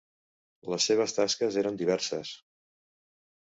Les seves tasques eren diverses.